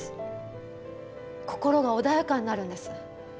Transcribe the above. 心が穏やかになるんです。